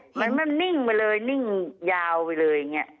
ใช่มันนิ่งไปเลยนิ่งยาวไปเลยเนี่ย